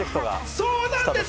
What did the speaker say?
そうなんです！